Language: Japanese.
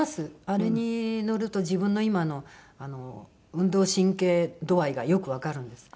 あれに乗ると自分の今の運動神経度合いがよくわかるんです。